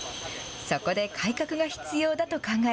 そこで、改革が必要だと考え